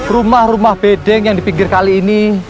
rumah rumah bedeng yang di pinggir kali ini